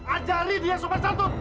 ajari dia sobat santun